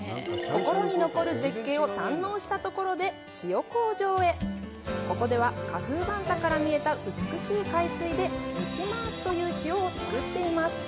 心に残る絶景を堪能したところで塩工場へここでは果報バンタから見えた美しい海水でぬちまーすという塩をつくっています